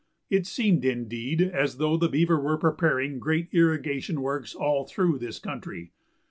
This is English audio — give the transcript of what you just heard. It seemed, indeed, as though the beaver were preparing great irrigation works all through this country.